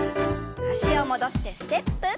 脚を戻してステップ。